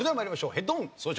ヘッドホン装着。